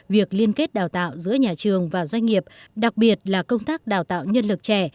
việc liên kết đào tạo giữa nhà trường và doanh nghiệp đặc biệt là công tác đào tạo nhân lực trẻ